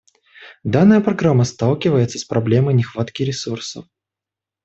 Данная программа сталкивается с проблемой нехватки ресурсов.